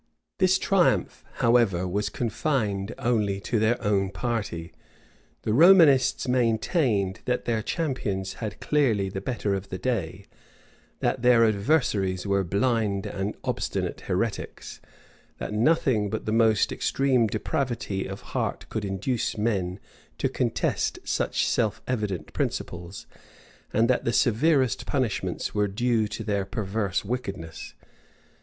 []* Burnet, vol. ii. p. 261. Collier, vol. ii. p. 356. This triumph, however, was confined only to their own party: the Romanists maintained, that their champions had clearly the better of the day, that their adversaries were blind and obstinate heretics; that nothing but the most extreme depravity of heart could induce men to contest such self evident principles; and that the severest punishments were due to their perverse wickedness.